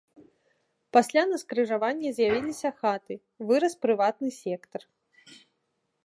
Пасля на скрыжаванні з'явіліся хаты, вырас прыватны сектар.